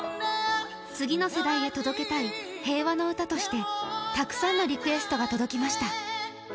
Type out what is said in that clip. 次の世代へ届けたい平和の歌として、たくさんのリクエストが届きました。